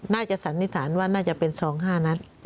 สันนิษฐานว่าน่าจะเป็น๒๕นัด